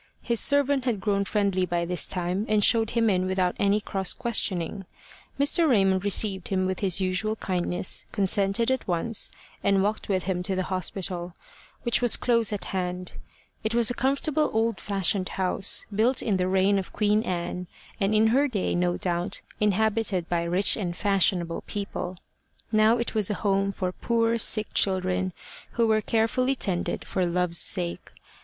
His servant had grown friendly by this time, and showed him in without any cross questioning. Mr. Raymond received him with his usual kindness, consented at once, and walked with him to the Hospital, which was close at hand. It was a comfortable old fashioned house, built in the reign of Queen Anne, and in her day, no doubt, inhabited by rich and fashionable people: now it was a home for poor sick children, who were carefully tended for love's sake.